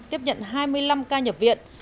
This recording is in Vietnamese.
tiếp nhận hai mươi năm ca nhập viện